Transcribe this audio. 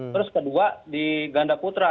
terus kedua di ganda putra